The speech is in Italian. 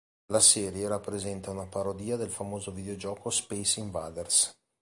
La serie rappresenta una parodia del famoso videogioco "Space Invaders.